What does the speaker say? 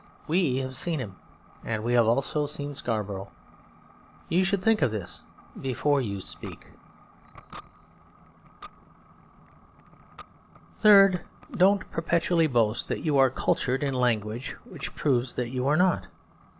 We have seen him; we have also seen Scarborough. You should think of this before you speak. Third, don't perpetually boast that you are cultured in language which proves that you are not.